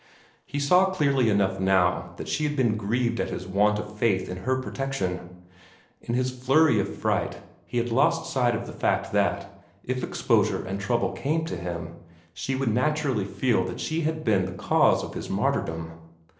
He saw clearly enough now that she had been grieved at his want of faith in her protection. In his flurry of fright, he had lost sight of the fact that, if exposure and trouble came to him, she would naturally feel that she had been the cause of his martyrdom.